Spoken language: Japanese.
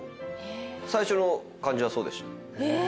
最初の感じはそうでした。